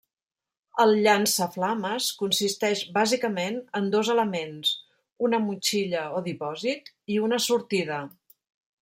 El llançaflames consisteix bàsicament en dos elements: una motxilla o dipòsit, i una sortida.